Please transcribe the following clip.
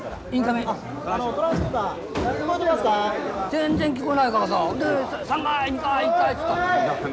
全然聞こえないからさで３階２階１階つったんだよ。